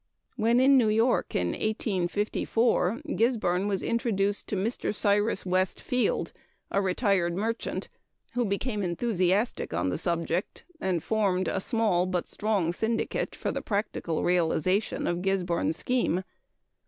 When in New York in 1854, Gisborne was introduced to Mr. Cyrus West Field, a retired merchant, who became enthusiastic on the subject, and formed a small, but strong, syndicate for the practical realization of Gisborne's scheme.